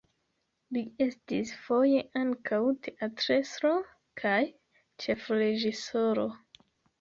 Li estis foje ankaŭ teatrestro kaj ĉefreĝisoro.